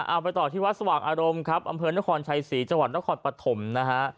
เอาไปต่อที่วัดสว่างอารมณ์ครับอำเภอนครชัยศรีจังหวัดนครปฐมนะฮะ